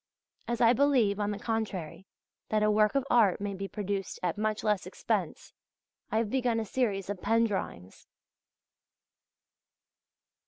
As I believe, on the contrary, that a work of art may be produced at much less expense, I have begun a series of pen drawings.